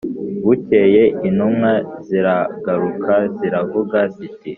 Bukeye intumwa ziragaruka ziravuga ziti